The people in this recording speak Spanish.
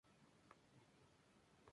Estudió dos años de arquitectura.